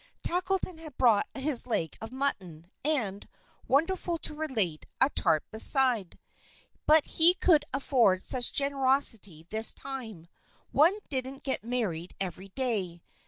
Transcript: Tackleton had brought his leg of mutton, and, wonderful to relate, a tart beside but he could afford such generosity this time; one doesn't get married every day.